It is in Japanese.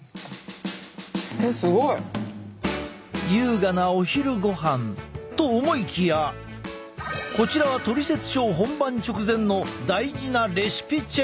優雅なお昼ごはん。と思いきやこちらは「トリセツショー」本番直前の大事なレシピチェック。